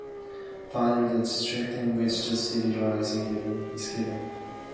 Finally, the district in which the city lies is given.